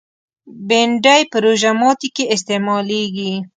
بېنډۍ په روژه ماتي کې استعمالېږي